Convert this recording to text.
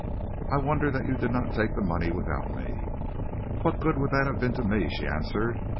I wonder that you did not take the money without me." "What good would that have been to me?" she answered.